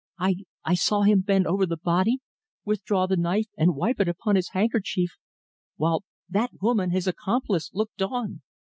I I saw him bend over the body, withdraw the knife, and wipe it upon his handkerchief, while that woman, his accomplice, looked on.